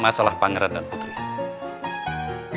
masalah pangeran dan putri